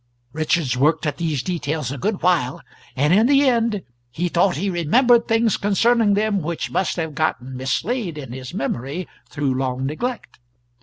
Richards worked at these details a good while, and in the end he thought he remembered things concerning them which must have gotten mislaid in his memory through long neglect.